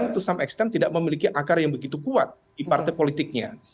tidak memiliki akar yang begitu kuat di partai politiknya